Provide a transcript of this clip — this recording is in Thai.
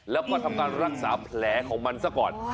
แล้วก็ทำรักษาแผลของมันก็ไห้สักก่อน